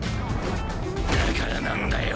だからなんだよ！